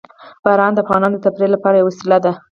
باران د افغانانو د تفریح لپاره یوه وسیله ده.